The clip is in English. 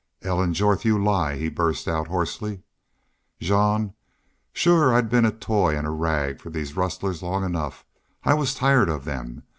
"Ellen Jorth, you lie!" he burst out, hoarsely. "Jean, shore I'd been a toy and a rag for these rustlers long enough. I was tired of them....